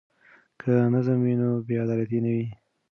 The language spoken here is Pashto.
که نظم وي نو بې عدالتي نه وي.